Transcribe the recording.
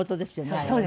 あれはね。